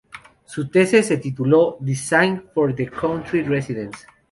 Su tesis se tituló ""Design for a Country Residence".